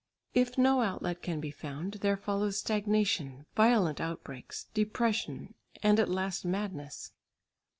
If no outlet can be found, there follows stagnation, violent outbreaks, depression, and at last madness.